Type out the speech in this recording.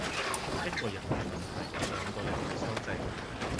一個人嘅問題，兩個人去修正